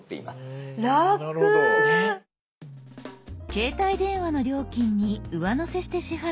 携帯電話の料金に上乗せして支払う方法の他